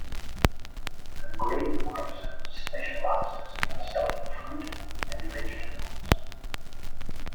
A greengrocer specialises in selling fruit and vegetables